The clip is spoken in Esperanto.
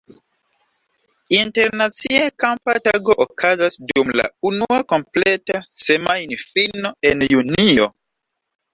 Internacie kampa tago okazas dum la unua kompleta semajnfino en junio.